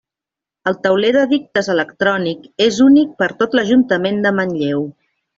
El Tauler d'edictes electrònic és únic per a tot l'Ajuntament de Manlleu.